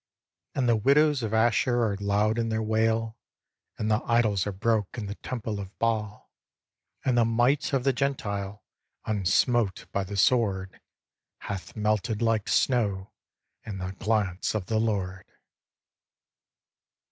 And the widows of Ashur are loud in their wail, And the idols are broke in the temple of Baal; And the might of the Gentile, unsmote by the sword, Hath melted like snow in the glance of the Lord.